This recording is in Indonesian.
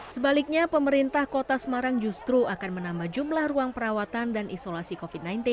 sebaliknya pemerintah kota semarang justru akan menambah jumlah ruang perawatan dan isolasi covid sembilan belas